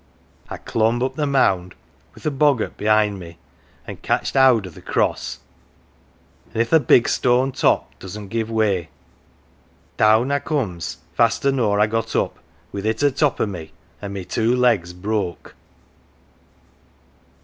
I clomb up the mound (wi' th' boggart behind me) an"* catched howd o' th' cross, an 1 if th' big stone top doesn't give way ! Down I comes faster nor I got up, with it a top o' me, an" 1 my two legs broke